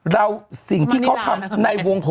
เราสิ่งที่เขาทำในวงการ